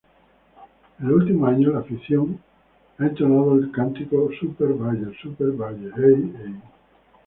En los últimos años la afición ha entonado el cántico "¡Super-Bayern, Super-Bayern, hey, hey!